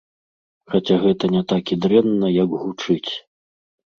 Хаця гэта не так і дрэнна, як гучыць.